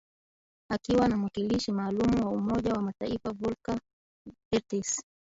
akiwa na mwakilishi maalum wa Umoja wa mataifa Volker Perthes